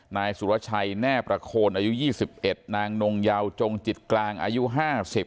นายสุรชัยแน่ประโคนอายุยี่สิบเอ็ดนางนงเยาว์จงจิตกลางอายุห้าสิบ